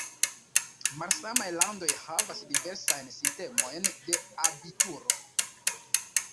Malsamaj landoj havas diversajn sistemojn de abituro.